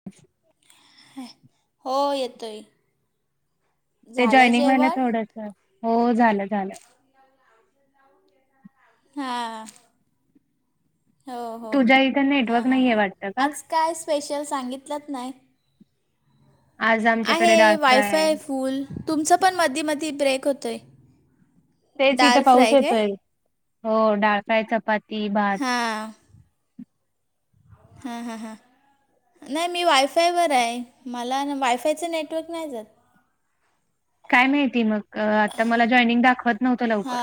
[unintelligible] [inaudible] हो येतोय. ते झालं जॉईनिंग व्हाला जेवण थोडस हो झालं झालं. हा. तुझ्या इथं नेटवर्क हां हां नाहीय हां वाटतं का. आज काय स्पेशल सांगितलंत नाही. आज आमच्याकडे आहे डाळ फ्राय वायफाय आहे फुल तुमचं पण मधी मधी ब्रेक होतोय. [inaudible] तेच इथे पाऊस येतोय हो डाळफ्राय, चपाती, भात. हां हा हा हा. नाही मी वायफायवर आहे मला वायफायचं नेटवर्क नाही जात. काय माहिती मग आता मला जॉनिंग दाखवत नव्हतं लवकर.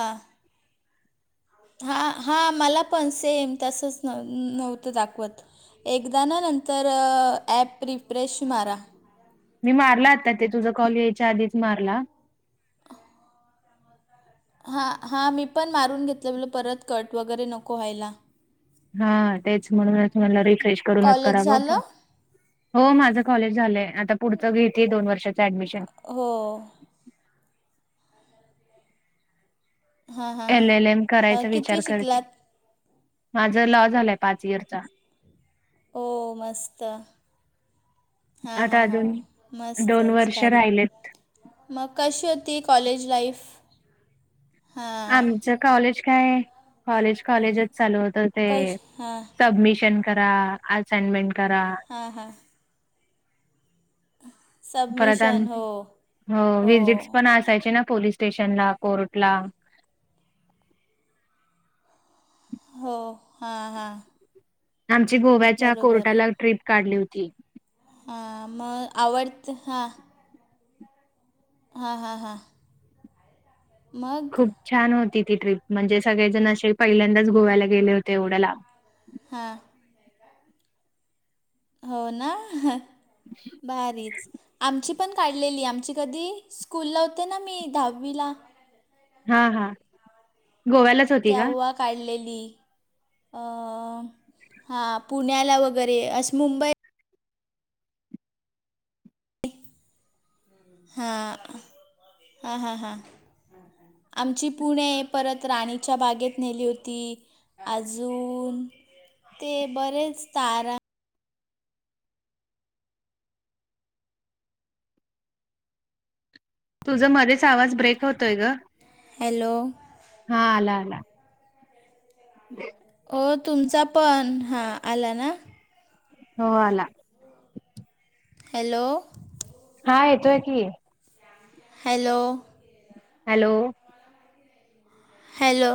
हा हा मला पण स येम तसंच नव नव्हतं दाखवत. एकदा ना नंतर ॲप रिफ्रेश मारा. मी मारला आता ते तुझा कॉल यायच्या आधीच मारला. हा हा मी पण मारून घेतलंल परत कट वगैरे नको व्हायला. हा तेच म्हणून तुम्हाला रिफ्रेश करूनच कॉलेज करावं पण. झालं हो माझ कॉलेज झालंय आता पुढच घेतय दोन वर्षाच ऍडमिशन. हो. हां हां एल हां एल एम अ, करायचा विचार कितवी करते शिकलात माझ लॉ झालाय पाच इयरचा. हो मस्त. हा आता हा हा अजून दोन मस्तच वर्ष भारीक. राहिले मग कशी होती कॉलेज लाईफ? हां आमचं कॉलेज काय कॉलेज कॉलेजच चालू होत कश ते. हां सबमिशन करा, असइनमेंट करा. हा हा. परत सबमिशन हो हो व्हजिटस पण असायचे ना पोलीस स्टेशनला कोर्टला. हो हा हा. आमची गोव्याच्या कोर्टाला ट्रिप काढली होती. हां मग आवडत हां. हा हां हां. मग. खूप छान होती ती ट्र्रीप म्हणजे सगळेजण असे पहिल्यांदाच गोव्याला गेले होते एवढ्या लाव. हां. हो ना बारीच आमची. पण काढलेली आमची कधी स्कूल लावते ना मी दहावीला. हा हा गोव्याला. तेव्हा. काढलेली हा पुण्याला वगैरे अशी मुंबई. हा, हा हा हा. आमची पुणे परत राणीच्या बागेत नेली होती. अजून ते बरेच तारा. तुझं मध्येच आवाज ब्रेक होतोय ग. हॅलो. हा आला आला. [unintelligible] हो तुमचा पण हां आला ना. हो आला. हॅलो! हा येतोय की. हॅलो! हॅलो. हॅलो.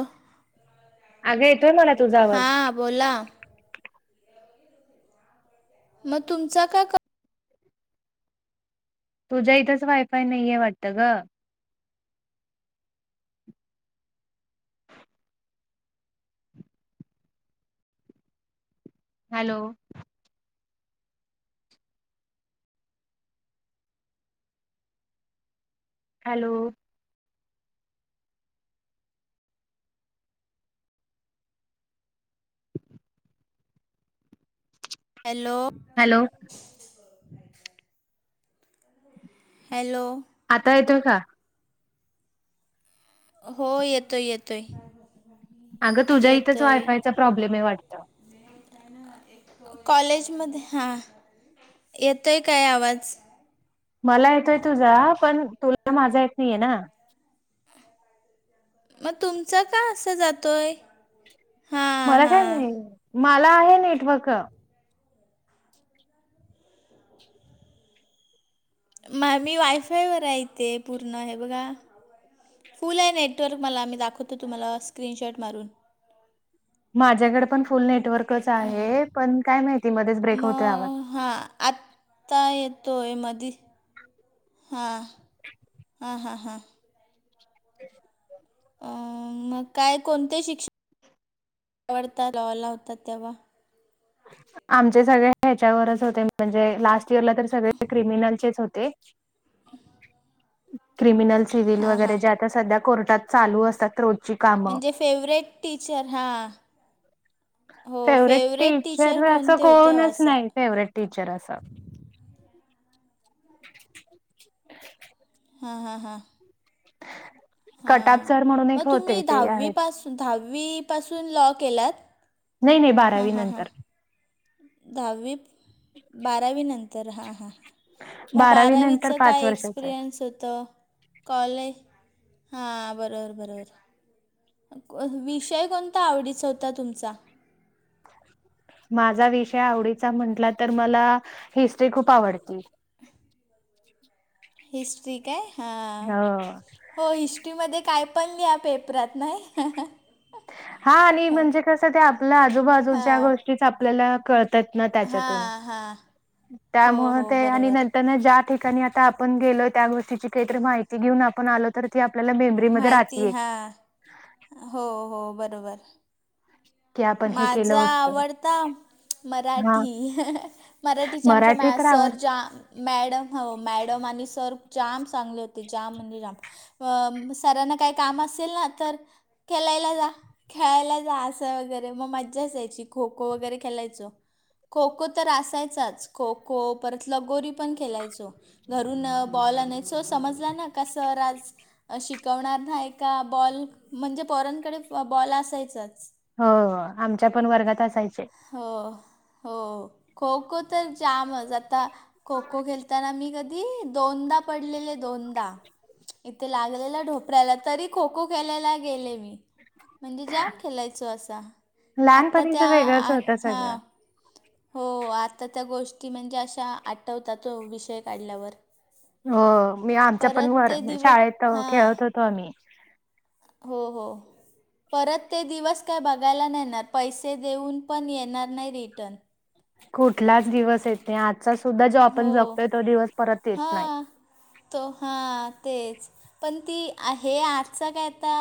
अगं येतोय मला तुझा आवाज. हां बोला मग तुमचा का. तुझ्या इथंच वायफाय नाहीये वाटतं ग. Hello. Hello. Hello. Hello. Hello आता येतोय का? हो येतोय येतोय. अगं तुझ्या इथंच येतोय वायफायचा प्रॉब्लेम आहे वाटत. कॉलेजमध्ये. हा येतोय काय आवाज? मला येतोय तुझा पण तुला माझा येत नाहीय ना. मग तुमचं का असं जातोय? हां मला काय हां नाही मला आहे नेटवर्क. म मी वायफायवर आहेेते पूर्ण हे बघा फुल आहे नेटवर्क. मला आम्ही दाखवतो तुम्हाला स्क्रीनशॉट मारून माझ्याकडे पण फुल नेटवर्कच आहे पण काय माहिती मध्येच ब्रेक होतोय आवाज. हा आत्ता येतोय मधी. हा हा हा हा. [inaudible] अ मग काय कोणते शिक्षण आवडता लावाला होता तेव्हा? आमचे सगळे ह्याच्यावरच होते म्हणजे लास्ट इयरला तर सगळे क्रिमिनलचेच होते. [inaudible] क्रिमिनल सिव्हल हां वगैरे हां जे आता सध्या कोर्टात चालू असतात. कामं म्हणजे फेवरेट टीचर हा हो फेवरेट. टीचर सर्वयाचा असं कोणते होते हो कोणच असं नाही फेवरेट टीचर असं. हां हां हां हा कटाप सर म्हणून मग एक होते तुम्ही ते आहेत दहावी पासून दहावी पासून लॉ केलात? नाही नाही हां बारावी हां हां नंतर. दहावी बारावी नंतर हां हां मग बारावी बारावीच नंतर पाच काय वर्षाचा आहे एक्सपिरियन्स होतं. कॉल आहे हा बरोबर बरोबर. विषय कोणता आवडीच होता तुमचा? माझा विषय आवडीचा म्हटला तर मला हिस्ट्री खूप आवडती. [inaudible] हिस्ट्री काय हां. ह हो हिस्ट्रीमध्ये काय पण घ्या पेपरात नाही. हा आणि म्हणजे कस ते आपल्या आजूबाजू ज्या हां गोष्टी आपल्याला कळत त्याच्यातून हां हां हो त्यामुळे हो ते आणि बरोबर नंतर ज्या ठिकाणी आता आपण गेलो त्या गोष्टीची काहीतरी माहिती घेऊन आपण आलो तर ती आपल्याला मेमरीमध्ये माहिती राहतेय. हां हो हो बरोबर. की आपण हे केलं माझा होतं आवडता हा मराठी. मराठीच्या आमच्या मराठी मॅ तर सर आवड ज्या मॅडम ह मॅडम आणि सर जाम चांगले होते जाम म्हणजे जाम अ सरांना काही काम असेल ना तर खेलायला जा खेळायला जा असं वगैरे. अरे मग मज्जा अस यायची खो खो वगैरे खेळायचं. खो खो तर असायचाच खो खो परत लगोरी पण खेलायचो. घरून बॉला नाही सो समजला ना कस आज शिकवणार नाही का बॉल म्हणजे पोरांकडे बॉल असायचाच. हो आमच्या पण वर्गात असायचे. हो हो खो खो तर जामच आता खो खो खेळताना मी कधी दोनदा पडलेले दोनदा इथ लागलेला ढोपऱ्याला तरी खो खो खेलायला गेले मी. म्हणजे जाम खेलायचो असा आत्ता लहानपणीच त्या वेगळंच होतं सगळं हां. हो आता त्या गोष्टी म्हणजे अशा आठवतात तो विषय काढल्यावर. हो मी आमच्या पण परत वर ते दिव शाळेत हां. खेळत होतो आम्ही. हो हो परत ते दिवस काय बघायला नणार पैसे देऊन पण येणार नाही रिटर्न कुठलाच दिवस येत नाही आजचा सुद्धा जो आपण हो. जगतोय तो दिवस परत येत नाही. हां तो हा तेच पण ती हे आजच काय आता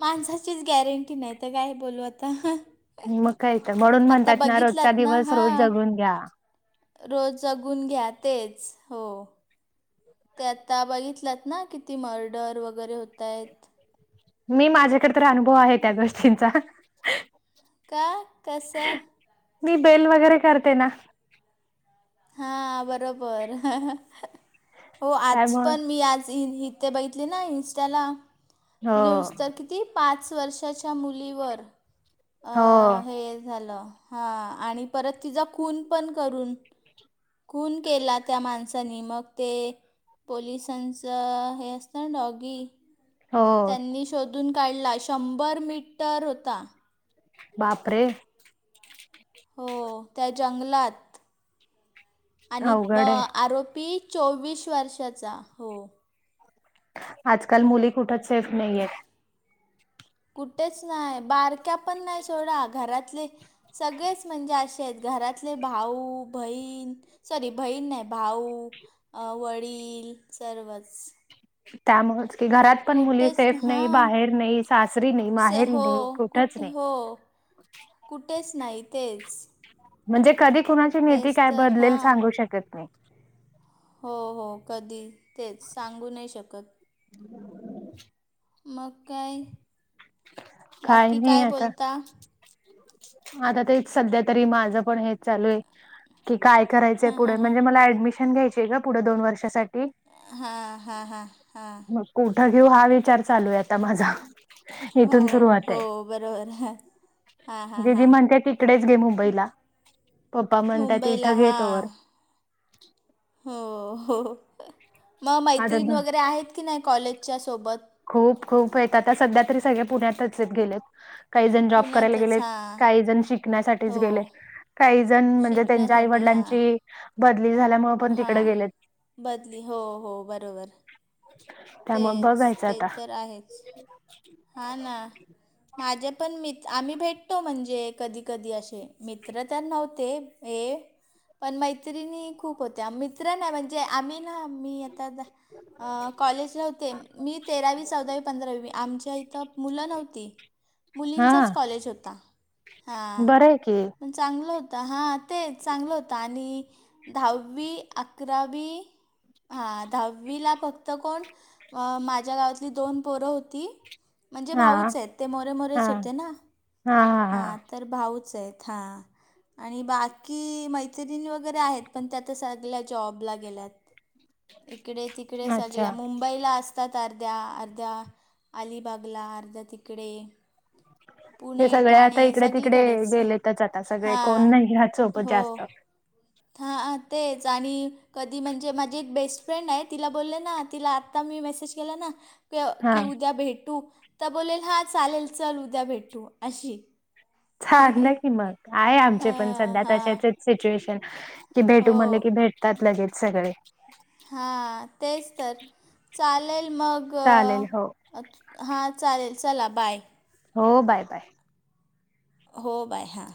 माणसाचीच गॅरंटी नाही तर काय बोलू आता. मग काहीच म्हणून आता म्हणतात ना रोजचा बघितलात ना दिवस रोज हां जगून घ्या. रोज जगून घ्या तेच हो. ते आता बघितलंत ना किती मर्डर वगैरे होत आहेत मी माझ्याकडे तर अनुभव आहे त्या गोष्टींचा का कसं मी बेल वगैरे करते ना हा बरोबर हो आज त्यामुळे पण मी आज बघितली ना इनस्टाला हो न्यूज तर क किती पाच वर्षाच्या मुलीवर हो हे झालं हां आणि परत तिचा खून पण करून खून केला त्या माणसानी मग ते पोलिसांचं हे असतं ना डॉगी हो त्यांनी शोधून काढला शंभर मीटर होता. बापरे हो त्या जंगलात आणि अ अवघड आहे. आरोपी चोवीस वर्षाचा हो आजकाल मुली कुठेच सेफ नाही आहेत कुठेच नाही बारक्या पण नाही सोडा घरातले सगळेच म्हणजे असेत घरातले भाऊ, बहीण सॉरी बहीण नाही भाऊ, वडील सर्वच त्यामुळेच कि घरात पण मुली कुठेच सेफ नाही हां बाहेर नाही सासरी नाही से माहेरी हो नाही कुठच कुठ नाही हो कुठेच नाही तेच म्हणजे कधी कुणाची नीती तेच काय तर बदलेल हां सांगू शकत मी हो हो कधी तेच सांगू नाही शकत ह मग काय? काही बाकी नाही काय आता बोलता आता तेच सध्या तरी माझं पण हेच चालू आहे कि काय करायचंय पुढे म्हणजे मला ऍडमिशन घ्यायचीय का पुढे दोन वर्षासाठी हा हा हा हा मग कोठं घेऊ हा विचार चालू आहे आता माझा [unintelligible] हो हो बरोबर हाय. दीदी म्हणते तिकडेच घे मुंबईला पप्पा म्हणताय मुंबईला तिथं घे तोवर. हां हो हो, मग आता मैत्रीण वगैरे आहेत की नाही कॉलेजच्या सोबत? खूप खूप आहेत आता सध्या तरी सगळ्या पुण्यातच आहेत गेलेत. काही जण जॉब करायला पुण्यातच गेलेत, हां काही जण शिकण्यासाठीच हो गेले. काही जण म्हणजे त्यांच्या शिकण्यासाठी आईवडिलांची बदली झाल्यामुळ हा बदली हो हो बरोबर! त्यामुळे तेच बघायचं ते आता तर आहेच हा ना! माझे पण मित आम्ही भेटतो म्हणजे कधी कधी असे मित्र तर नव्हते. हे पण मैत्रिणी खूप होत्या मित्र नाही म्हणजे आम्ही मी आता कॉलेज होते, मी तेरावी चौदावी पंधरावी आमच्या इथं मुलं नव्हती. हा मुलींचाच कॉलेज होता हां बरं आहे की पण चांगलं होतं हां. ते चांगलं होतं आणि दहावी अकरावी हा दहावी ला फक्त कोण अ माझ्या गावातली दोन पोरं होती. म्हणजे हा भाऊच आहेत ते मोरे हा मोरेच होते ना, हा. तर भाऊच आहेत हां. आणि बाकी मैत्रिणी वगैरे आहेत पण त्या आता सगळ्या जॉबला गेल्यात. इकडे तिकडे सगळ अच्छा मु बईला असतात अर्ध्या अलिबागला अर्ध्या तिकडे पुणे ते सगळे ठाणे आता इकडे तिकडे सगलीकडेच गेलेतच आता सगळे हा कोण नाही ह्याच सोबत हो. जास्त हा तेच आणि कधी म्हणजे माझी एक बेस्ट फ्रेंड आहे तिला बोलले ना तिला आता मी मेसेज केला ना हा की उद्या भेटू तर बोलेल हा चालेल चल उद्या भेटू अशी आहे. छानलं की मग आहे आमचे पण हां, सध्या हां. तशाच सिच्युएशन. की भेटू म्हणले की हो. भेटतात लगेच सगळे. हां तेच तर चालेल मग चालेल हो अछ हां चालेल चला बाय. हो बाय बाय! हो बाय हां.